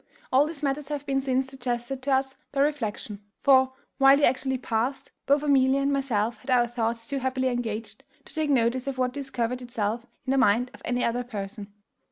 "All these matters have been since suggested to us by reflection; for, while they actually past, both Amelia and myself had our thoughts too happily engaged to take notice of what discovered itself in the mind of any other person.